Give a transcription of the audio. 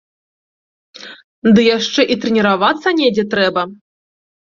Ды яшчэ і трэніравацца недзе трэба!